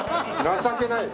情けない。